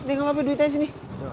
nih ngapain duitnya disini